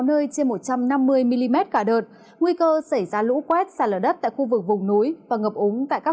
nơi trên một trăm năm mươi mm cả đợt nguy cơ xảy ra lũ quét xả lở đất tại khu vực vùng núi và ngập úng tại các